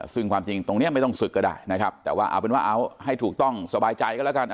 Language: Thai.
ซึ่งความจริงตรงนี้ไม่ต้องศึกก็ได้นะครับแต่ว่าเอาเป็นว่าเอาให้ถูกต้องสบายใจก็แล้วกัน